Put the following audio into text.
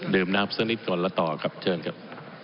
ดื่มน้ำเซอร์นิดก่อนแล้วต่อก็เพิ่มกันครับ